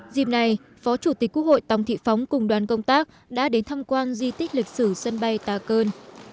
dịp này phó chủ tịch quốc hội tòng thị phóng cùng đoàn công tác đã đến thăm quan di tích lịch sử sân bay tà cơn